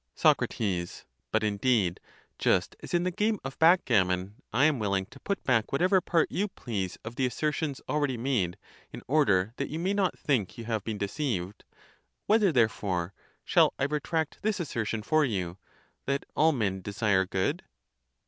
Soe. But indeed, just as in the game of backgammon,? IT am willing to put back whatever part you please of the asser tions already made, in order that you may not think you have been deceived. Whether therefore shall I retract this asser tion for you, that all men desire good?